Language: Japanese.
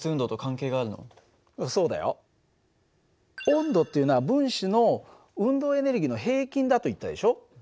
温度っていうのは分子の運動エネルギーの平均だと言ったでしょ。